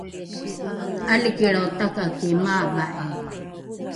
’alikilrao takaki maava’i